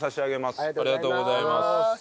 ありがとうございます。